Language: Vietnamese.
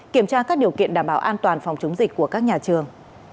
kiểm tra các điều kiện đảm bảo an toàn phòng chống dịch của các nhà trường